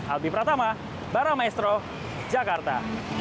albi pratama baramaestro jakarta